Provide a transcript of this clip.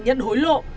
nhận hối lộ